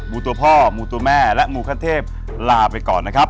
ูตัวพ่อมูตัวแม่และหมูขั้นเทพลาไปก่อนนะครับ